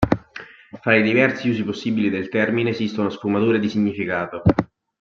Fra i diversi usi possibili del termine esistono sfumature di significato.